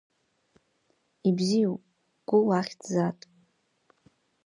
Ибзиоуп, Кәыл ахьӡзаат.